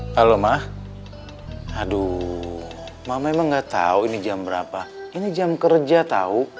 halo ma aduh mama emang gak tau ini jam berapa ini jam kerja tau